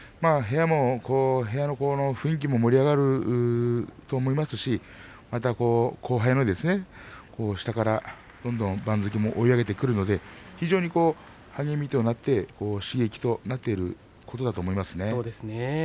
部屋の雰囲気も盛り上がると思いますしまた後輩の下からどんどん番付を追い上げてくるので非常に励みとなって刺激になっていることだと思いますね。